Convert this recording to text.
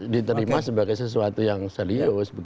diterima sebagai sesuatu yang serius